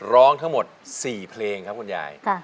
ร้องทั้งหมด๔เพลงครับคุณยาย